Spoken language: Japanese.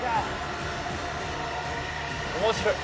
面白い。